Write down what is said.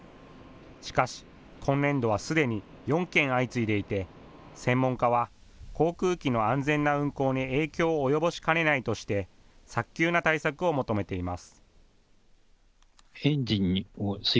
しかし今年度はすでに４件、相次いでいて専門家は航空機の安全な運航に影響を及ぼしかねないとして早急な対策を求めています。